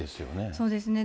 そうですね。